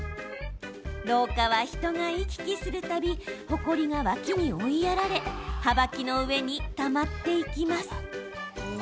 廊下は人が行き来する度ほこりが脇に追いやられはばきの上にたまっていきます。